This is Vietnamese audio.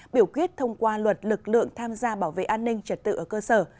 biểu quyết thông qua luật lực lượng tham gia bảo vệ an ninh trật tự ở cơ sở